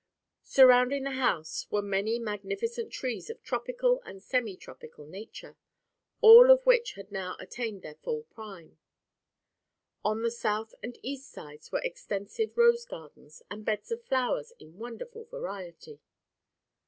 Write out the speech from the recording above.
Surrounding the house were many magnificent trees of tropical and semi tropical nature, all of which had now attained their full prime. On the south and east sides were extensive rose gardens and beds of flowers in wonderful variety.